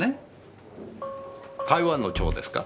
台湾の蝶ですか？